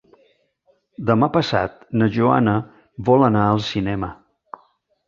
Demà passat na Joana vol anar al cinema.